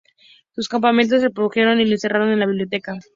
Sus compañeros lo redujeron y lo encerraron en la biblioteca.